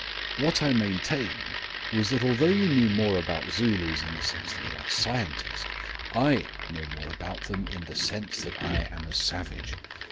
What I maintained was that although you knew more about Zulus in the sense that you are a scientist, I know more about them in the sense that I am a savage.